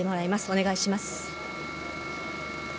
お願いします。